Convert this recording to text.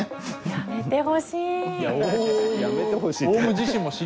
「やめてほしい」って。